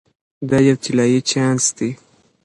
دا یو طلایی چانس دی.